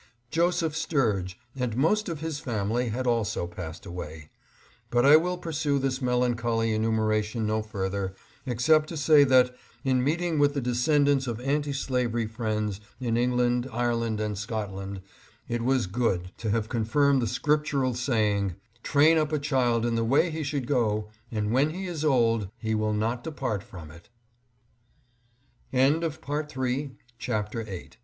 Joseph Sturge and most of his family had also passed away. But I will pursue this melan choly enumeration no further, except to say that, in ■680 MEETING WITH OLD FRIENDS. meeting with the descendants of anti slavery friends in England, Ireland and Scotland, it was good to have confirmed the scriptural saying, " Train up a child in the way he should go and when he is old he will not depart from i